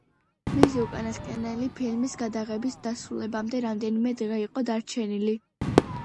მისი უკანასკნელი ფილმის გადაღების დასრულებამდე რამდენიმე დღე იყო დარჩენილი.